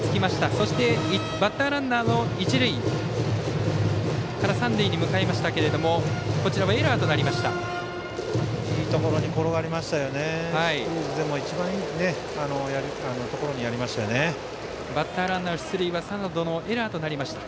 そして、バッターランナーも一塁から三塁に向かいましたけどもこちらはエラーとなりました。